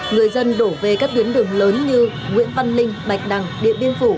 người dân đổ về các tuyến đường lớn như nguyễn văn linh bạch đằng điện biên phủ